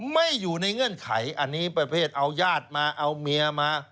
ไม่อยู่ในเงื่อนไขอันนี้ประเภทเอาญาติมาเอาเมียมา